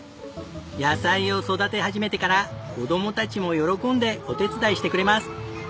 野菜を育て始めてから子どもたちも喜んでお手伝いしてくれます。